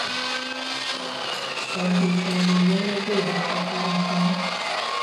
Andika ni nyalo bedo kaka rapar